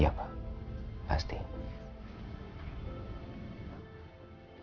saya akan terserah